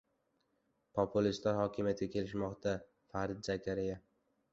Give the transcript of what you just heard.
«Populistlar hokimiyatga kelishmoqda» — Farid Zakariya